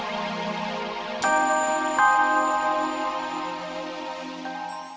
cendah gue itu